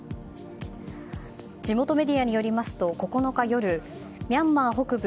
地元メディアによりますと９日夜ミャンマー北部